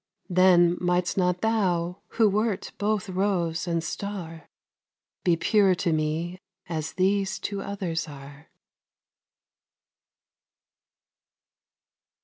Then might'st not thou, who wert both rose and star, Be pure to me as these to others are?